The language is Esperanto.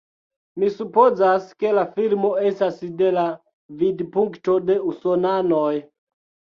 Mi supozas, ke la filmo estas de la vidpunkto de usonanoj